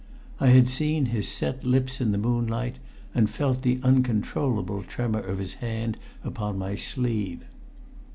I had seen his set lips in the moonlight, and felt the uncontrollable tremor of the hand upon my sleeve.